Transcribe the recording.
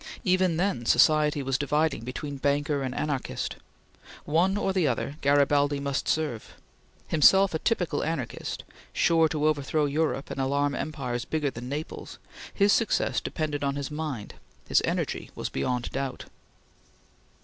Even then society was dividing between banker and anarchist. One or the other, Garibaldi must serve. Himself a typical anarchist, sure to overshadow Europe and alarm empires bigger than Naples, his success depended on his mind; his energy was beyond doubt.